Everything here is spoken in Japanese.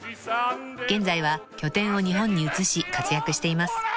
［現在は拠点を日本に移し活躍しています］